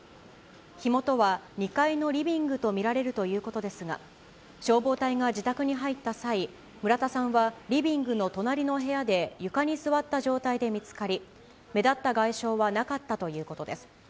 火元は２階のリビングと見られるということですが、消防隊が自宅に入った際、村田さんはリビングの隣の部屋で床に座った状態で見つかり、目立った外傷はなかったということです。